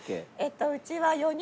うちは４人。